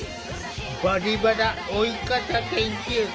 「バリバラ老い方研究会」